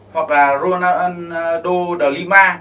hoặc là ronaldo de lima